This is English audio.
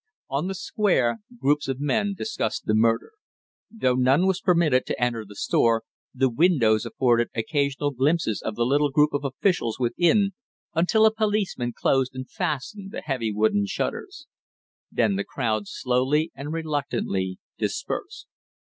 On the Square groups of men discussed the murder. Though none was permitted to enter the store, the windows afforded occasional glimpses of the little group of officials within, until a policeman closed and fastened the heavy wooden shutters. Then the crowd slowly and reluctantly dispersed.